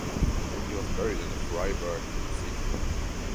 He was buried in the Freiberg Cathedral.